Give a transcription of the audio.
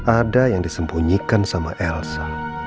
ada yang disembunyikan sama elsa